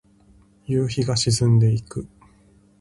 夕日が沈んでいく。